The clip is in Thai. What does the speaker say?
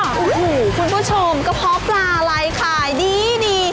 อ๋อคุณผู้ชมกระเพาะปลาไลฟ์ขายดี